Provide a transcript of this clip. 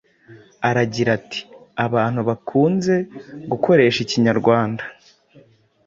Aragira ati ’’Abantu bakunze gukoresha Ikinyarwanda